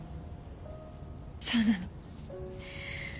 そうなの。